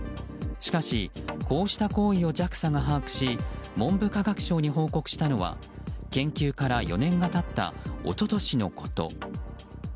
しかし、こうした行為をＪＡＸＡが把握し文部科学省に報告したのは研究から４年が経った一昨年のこと。